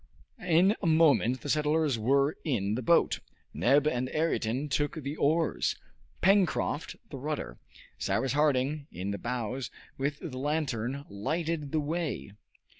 In a moment the settlers were in the boat. Neb and Ayrton took the oars, Pencroft the rudder. Cyrus Harding in the bows, with the lantern, lighted the way.